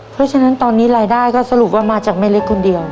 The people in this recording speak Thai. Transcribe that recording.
เพราะฉะนั้นตอนนี้รายได้ก็สรุปว่ามาจากแม่เล็กคนเดียว